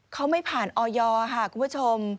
เขาไม่ผ่านออยค่ะคุณผู้ชม